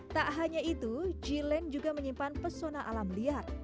tak hanya itu g land juga menyimpan pesona alam liar